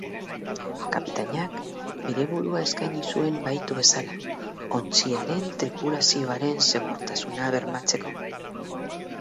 Kapitainak bere burua eskaini zuen bahitu bezala, ontziaren tripulazioaren segurtasuna bermatzeko.